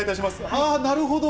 あー、なるほど。